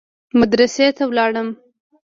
مدرسې ته ولاړم.